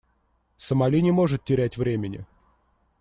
Сомали не может терять времени.